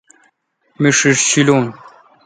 می ݭݭ شیلون